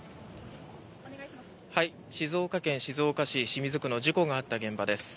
静岡県静岡市清水区の事故があった現場です。